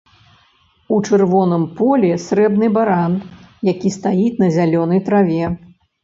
У чырвоным полі срэбны баран, які стаіць на зялёнай траве.